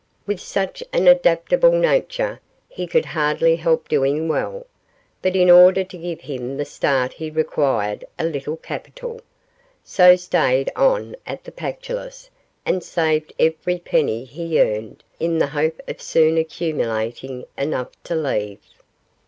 With such an adaptable nature he could hardly help doing well, but in order to give him the start he required a little capital, so stayed on at the Pactolus and saved every penny he earned in the hope of soon accumulating enough to leave.